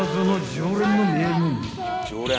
常連の名門］